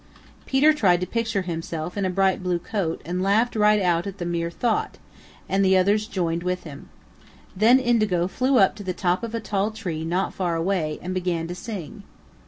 Peter tried to picture himself in a bright blue coat and laughed right out at the mere thought, and the others joined with him. Then Indigo flew up to the top of a tall tree not far away and began to sing.